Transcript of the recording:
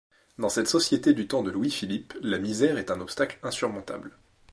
Dans cette société du temps de Louis-Philippe, la misère est un obstacle insurmontable.